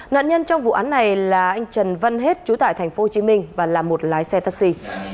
nạn nhân trong vụ án này là anh trần văn hết trú tại thành phố hồ chí minh và là một lái xe taxi